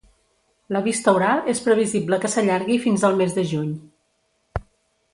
La vista oral és previsible que s’allargui fins al mes de juny.